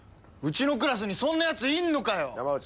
うちのクラスにそんなやついんのかよ！